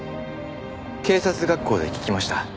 警察学校で聞きました。